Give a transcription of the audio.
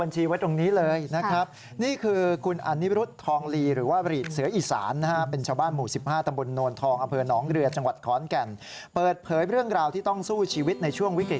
ช่วยใครเขาคลายทุกใจ